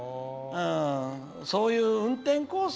そういう運転コース